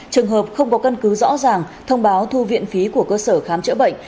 trường hợp không có căn cứ rõ ràng thông báo thu viện phí của cơ sở khám chữa bệnh